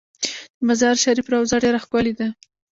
د مزار شریف روضه ډیره ښکلې ده